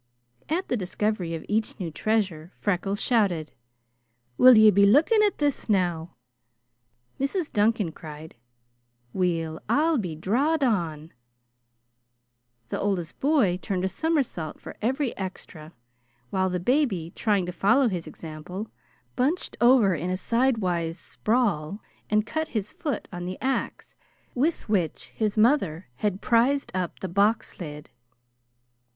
At the discovery of each new treasure, Freckles shouted: "Will you be looking at this, now?" Mrs. Duncan cried: "Weel, I be drawed on!" The eldest boy turned a somersault for every extra, while the baby, trying to follow his example, bunched over in a sidewise sprawl and cut his foot on the axe with which his mother had prized up the box lid.